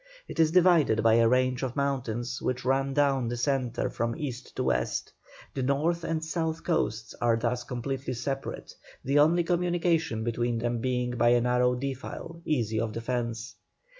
It is divided by a range of mountains which run down the centre from east to west; the north and south coasts are thus completely separate, the only communication between them being by a narrow defile, easy of defence.